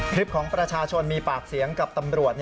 ของประชาชนมีปากเสียงกับตำรวจ